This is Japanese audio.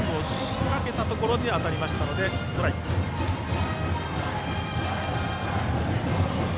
スイングを仕掛けたところに当たりましたのでストライクです。